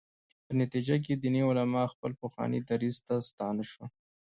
په نتیجه کې دیني علما خپل پخواني دریځ ته ستانه شول.